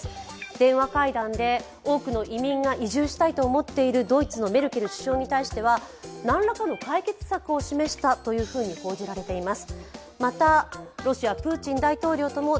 電話会談で多くの移民が移住したいと思っているドイツのメルケル首相に対しては何らかの解決策を示したと報じられています。